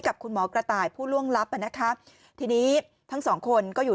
กับคุณหมอกระต่ายผู้ล่วงลับทั้งสองคนก็อยู่